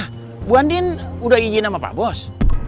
ibu andin udah ijin sama pak bos